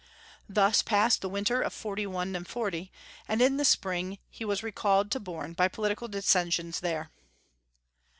Thus passed the winter of 41 40, and in the spring he was recalled to Borne by political dissensions there.